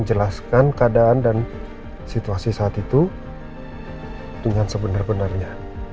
menjelaskan keadaan dan situasi saat itu dengan sebenar benarnya